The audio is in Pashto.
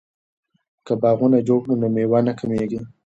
که باغونه جوړ کړو نو میوه نه کمیږي.